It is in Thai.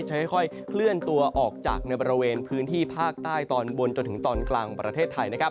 จะค่อยขึ้นตัวออกจากในบริเวณพื้นที่ภาคใต้ตอนบนจนถึงตอนกลางประเทศไทย